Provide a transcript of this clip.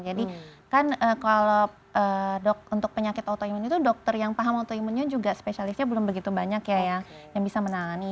jadi kan kalau untuk penyakit autoimun itu dokter yang paham autoimunnya juga spesialisnya belum begitu banyak ya yang bisa menangani